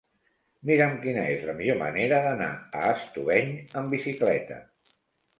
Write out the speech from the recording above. Mira'm quina és la millor manera d'anar a Estubeny amb bicicleta.